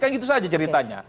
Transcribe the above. kan itu saja ceritanya